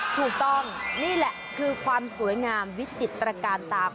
ถูกต้องนี่แหละคือความสวยงามวิจิตรการตาม